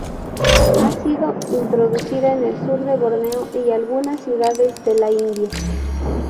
Ha sido introducida en el sur de Borneo y algunas ciudades de la India.